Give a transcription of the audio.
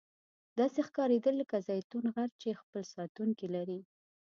داسې ښکاریدل لکه زیتون غر چې خپل ساتونکي لري.